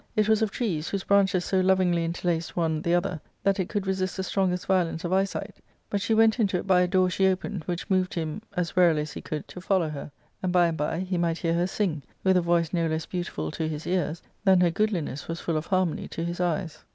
It was of trees, whose branches so lovingly inter laced one the other that it could resist the strongest violence of eyesight ; but she went into it by a door she opened, which moved him, as warily as he could, to follow her ; and by and by he might hear her sing, with a voice no less beau tiful to his ears than her goodliness was full of harmony to his eyes.